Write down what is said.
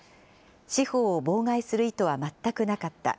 司法を妨害する意図は全くなかった。